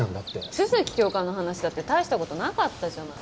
都築教官の話だって大したことなかったじゃない。